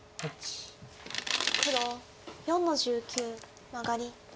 黒４の十九マガリ。